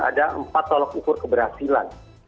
ada empat tolok ukur keberhasilan